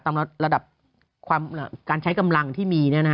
ระดับการใช้กำลังที่มี